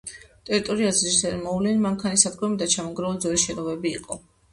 ტერიტორიაზე ძირითადად მოუვლელი მანქანის სადგომები და ჩამონგრეული ძველი შენობები იყო.